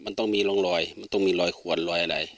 มันต้องมีร่องรอยมันต้องมีรอยขวนรอยอะไร